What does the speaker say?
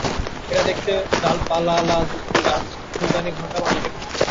এরা দেখতে ডাল-পালালাযুক্ত গাছ, ফুলদানি, ঘন্টা বা বাটির মতো।